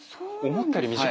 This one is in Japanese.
思ったより短い。